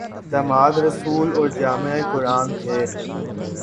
داماد رسول اور جامع قرآن تھے